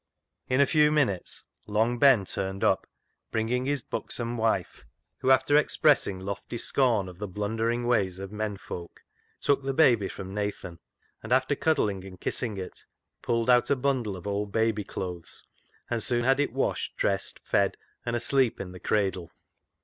In a few minutes Long Ben turned up, bringing his buxom wife, who, after expressing lofty scorn of the blundering ways of men folk, took the baby from Nathan, and, after cuddling and kissing it, pulled out a bundle of old baby clothes, and soon had it washed, dressed, fed, and asleep in the cradle.